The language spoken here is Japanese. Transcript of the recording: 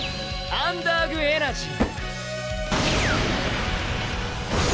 アンダーグ・エナジー！